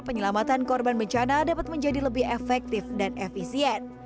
penyelamatan korban bencana dapat menjadi lebih efektif dan efisien